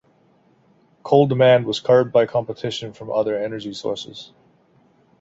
Coal demand was curbed by competition from other energy sources.